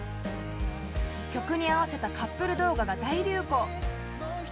曲に合わせたカップル動画が大流行。